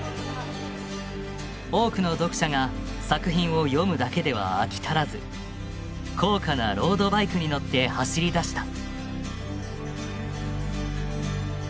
多くの読者が作品を読むだけでは飽き足らず高価なロードバイクに乗って走り出した。